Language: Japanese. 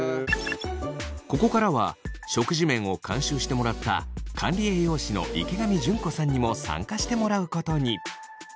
ここからは食事面を監修してもらった管理栄養士の池上淳子さんにも参加してもらうことに。